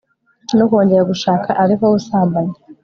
no kongera gushaka ari nk'ubusambanyi